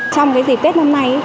trong dịp tết năm nay